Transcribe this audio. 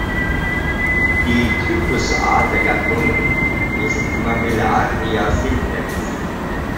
Die Typusart der Gattung ist "Mammillaria simplex".